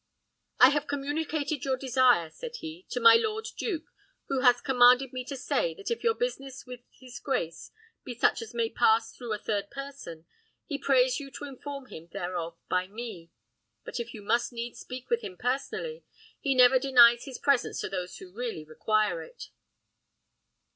"I have communicated your desire," said he, "to my lord duke, who has commanded me to say, that if your business with his grace be such as may pass through a third person, he prays you to inform him thereof by me; but if you must needs speak with him personally, he never denies his presence to those who really require it."